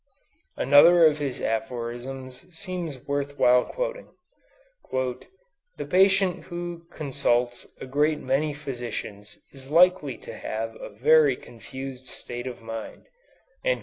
Another of his aphorisms seems worth while quoting: "The patient who consults a great many physicians is likely to have a very confused state of mind."